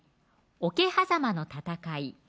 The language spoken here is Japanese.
・桶狭間の戦い・